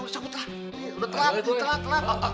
udah sabut lah udah terang terang terang